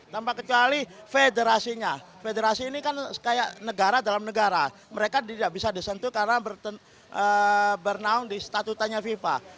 tanpa kecuali federasinya federasi ini kan kayak negara dalam negara mereka tidak bisa disentuh karena bernaung di statutanya fifa